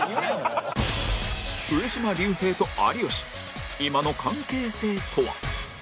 上島竜兵と有吉今の関係性とは？